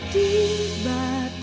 siapa yang jauh